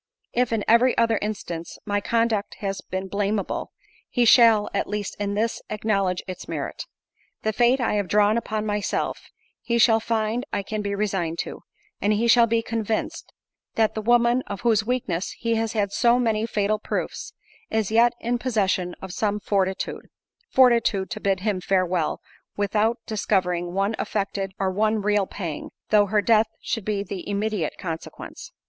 If, in every other instance, my conduct has been blameable, he shall, at least in this, acknowledge its merit. The fate I have drawn upon myself, he shall find I can be resigned to; and he shall be convinced, that the woman, of whose weakness he has had so many fatal proofs, is yet in possession of some fortitude—fortitude, to bid him farewell, without discovering one affected or one real pang, though her death should be the immediate consequence."